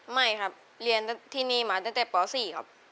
ไม่ครับเรียนที่นี่มาตั้งแต่ป๔ครับ